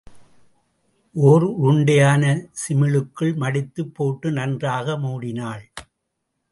ஓர் உருண்டையான சிமிழுக்குள் மடித்துப் போட்டு நன்றாக மூடினாள்.